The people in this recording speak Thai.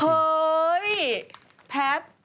เฮ้ยแพท